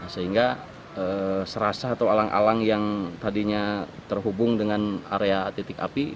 sehingga serasa atau alang alang yang tadinya terhubung dengan area titik api